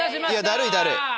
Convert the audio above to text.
だるいだるい。